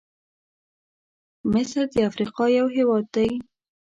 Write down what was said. مصرد افریقا یو هېواد دی.